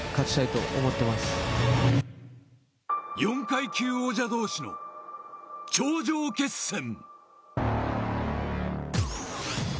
４階級王者同士の頂上決戦。